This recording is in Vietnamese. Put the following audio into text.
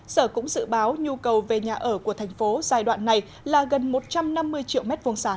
sở cũng dự báo nhu cầu về nhà ở của thành phố giai đoạn này là gần một trăm năm mươi triệu m hai